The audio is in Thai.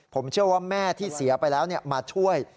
ผมเชื่อว่าแม่ที่เสียไปแล้วมาช่วย